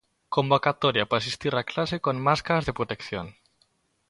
Convocatoria para asistir a clase con máscaras de protección.